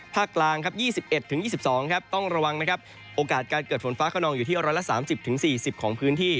ภาคกลาง๒๑๒๒ต้องระวังโอกาสการเกิดฝนฟ้าขนองอยู่ที่๑๓๐๔๐ของพื้นที่